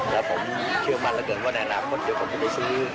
แล้วผมเชื่อมันและเตือนว่าในอนาคตเดี๋ยวก็จะซื้อ